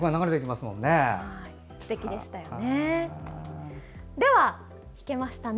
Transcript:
すてきでしたね。